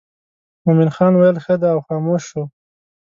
مومن خان ویل ښه دی او خاموش شو.